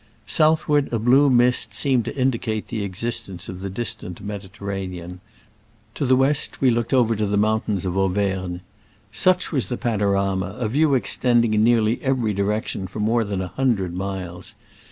Southward, a blue mist seemed to indicate the existence of the distant Mediterranean : to the west we looked over to the mountains of Au vergne. Such was the panorama, a view extending in nearly every direc tion for more than a hundred miles.